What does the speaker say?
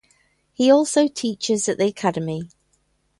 He also teaches at the academy.